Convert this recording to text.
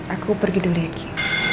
aku pergi dulu ya ki